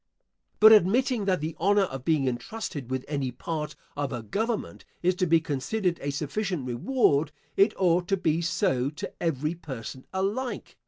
But admitting that the honour of being entrusted with any part of a government is to be considered a sufficient reward, it ought to be so to every person alike.